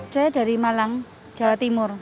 saya dari malang jawa timur